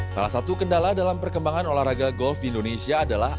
salah satu kendala dalam perkembangan olahraga golf di indonesia adalah